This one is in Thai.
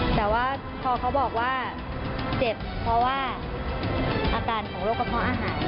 แต่ว่าพอเขาบอกว่าเจ็บเพราะว่าอาการของโรคกระเพาะอาหาร